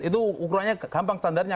itu ukurannya gampang standarnya